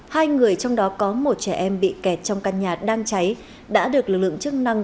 hai người trong đó có một trẻ em bị kẹt trong căn nhà đang cháy đã được lực lượng chức năng